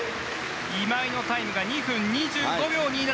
今井のタイムが２分２５秒２７。